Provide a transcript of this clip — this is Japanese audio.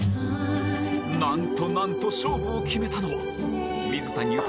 なんとなんと勝負を決めたのは水谷豊